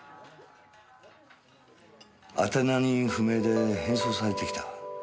宛名人不明で返送されてきた。